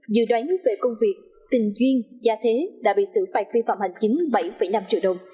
dự đoán về công việc tình duyên gia thế đã bị xử phạt vi phạm hành chính bảy năm triệu đồng